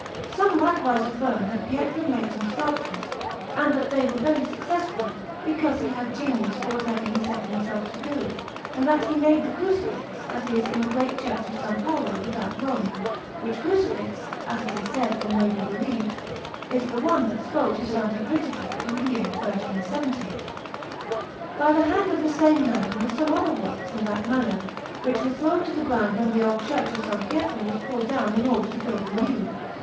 Some likewise affirm that Pietro made some sculptures, and that they were very successful, because he had genius for whatever he set himself to do, and that he made the Crucifix that is in the great Church of S. Paolo without Rome; which Crucifix, as it is said and may be believed, is the one that spoke to S. Brigida in the year 1370. By the hand of the same man were some other works in that manner, which were thrown to the ground when the old Church of S. Pietro was pulled down in order to build the new.